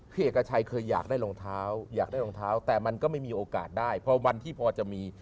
เอกชัยเคยอยากได้รองเท้าอยากได้รองเท้าแต่มันก็ไม่มีโอกาสได้พอวันที่พอจะมี